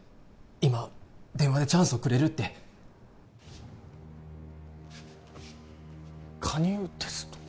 今電話でチャンスをくれるって加入テスト？